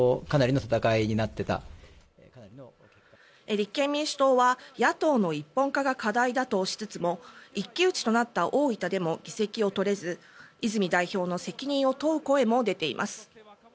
立憲民主党は野党の一本化が課題だとしつつも一騎打ちとなった大分でも議席を取れず泉代表の責任を問う声も出ています。